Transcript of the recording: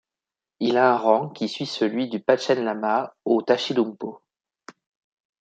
Il a un rang qui suit celui du panchen-lama au Tashilhunpo.